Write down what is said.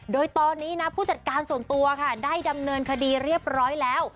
โดยตอนนี้นะผู้จัดการส่วนตัวค่ะได้ดำเนินคดีเรียบร้อยแล้ว